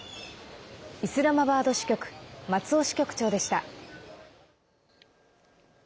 イスラマバード支局松尾支局長でした。